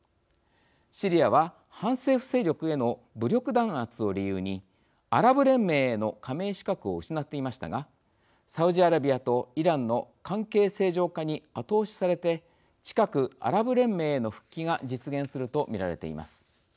シリアは反政府勢力への武力弾圧を理由にアラブ連盟への加盟資格を失っていましたがサウジアラビアとイランの関係正常化に後押しされて近くアラブ連盟への復帰が実現すると見られています。